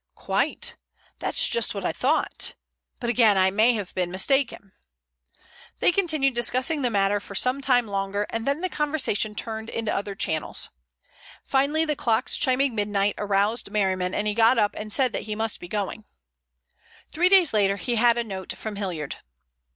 "Quite. That's just what I thought. But again, I may have been mistaken." They continued discussing the matter for some time longer, and then the conversation turned into other channels. Finally the clocks chiming midnight aroused Merriman, and he got up and said he must be going. Three days later he had a note from Hilliard.